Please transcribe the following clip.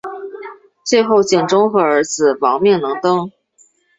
最后景忠和儿子亡命能登。